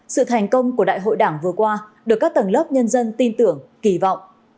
sự thành công của đại hội đảng vừa qua được các tầng lớp nhân dân tin tưởng kỳ vọng